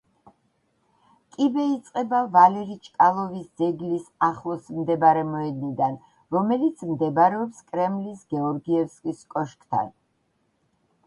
კიბე იწყება ვალერი ჩკალოვის ძეგლის ახლოს მდებარე მოედნიდან, რომელიც მდებარეობს კრემლის გეორგიევსკის კოშკთან.